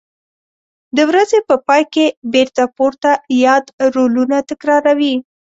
د ورځې په پای کې بېرته پورته یاد رولونه تکراروي.